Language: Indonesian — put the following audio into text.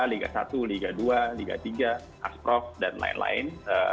liga satu liga dua liga tiga asprof dan lain lain